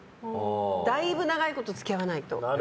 だいぶ長いこと付き合わないと。